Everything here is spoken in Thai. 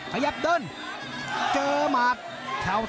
ขยับเดินเจอหมัด